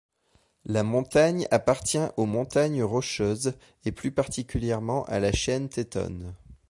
La montagne appartient aux montagnes Rocheuses et plus particulièrement à la chaîne Teton.